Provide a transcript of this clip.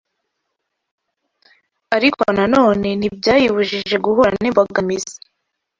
ariko na none ntibyayibujije guhura n’imbogamizi.